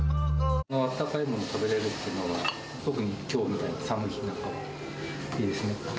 温かいもの食べれるっていうのは、特にきょうみたいな寒い日なんかはいいですね。